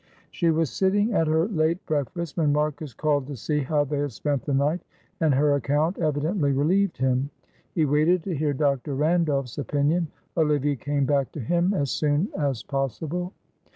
She was sitting at her late breakfast, when Marcus called to see how they had spent the night. And her account evidently relieved him. He waited to hear Dr. Randolph's opinion. Olivia came back to him as soon as possible.